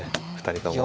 ２人とも。